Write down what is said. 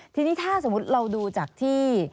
ทีนี้ถ้าสมมุติเราดูจากที่